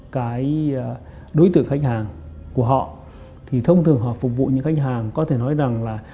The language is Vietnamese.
cái đối tượng khách hàng của họ thì thông thường họ phục vụ những khách hàng có thể nói rằng là